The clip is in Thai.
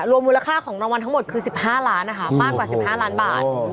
มูลค่าของรางวัลทั้งหมดคือ๑๕ล้านนะคะมากกว่า๑๕ล้านบาท